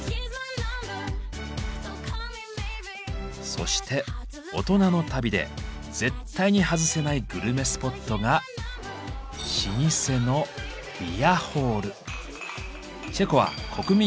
そして大人の旅で絶対に外せないグルメスポットが老舗のビアホール。